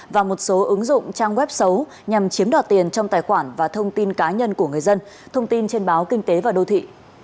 và một số ứng dụng trang web xấu nhằm chiếm đoạt tiền trong tài khoản và thông tin cá nhân của người dân thông tin trên báo kinh tế và đô thị